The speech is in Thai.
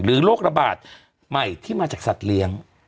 โรคระบาดใหม่ที่มาจากสัตว์เลี้ยง